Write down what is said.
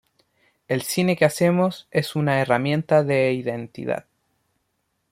El cine que hacemos es una herramienta de identidad.